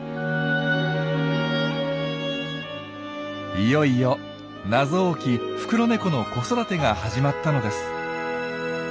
いよいよ謎多きフクロネコの子育てが始まったのです。